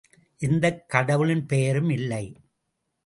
எந்தக் கடவுளின் பெயரும் இல்லை.